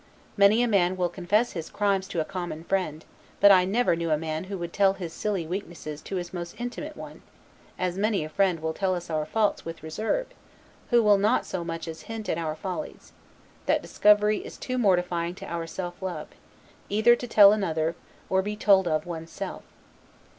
Many a man will confess his crimes to a common friend, but I never knew a man who would tell his silly weaknesses to his most intimate one as many a friend will tell us our faults without reserve, who will not so much as hint at our follies; that discovery is too mortifying to our self love, either to tell another, or to be told of one's self.